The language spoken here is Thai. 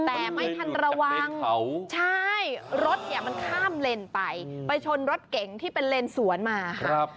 แต่ไม่ทันระวังใช่รถเนี่ยมันข้ามเลนไปไปชนรถเก๋งที่เป็นเลนสวนมาค่ะ